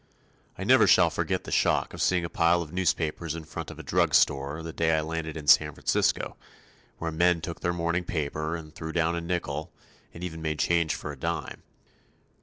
I never shall forget the shock of seeing a pile of newspapers in front of a drug store, the day I landed in San Francisco, where men took their morning paper and threw down a nickel, and even made change for a dime.